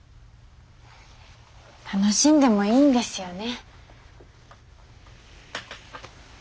楽しんでもいいんですよね。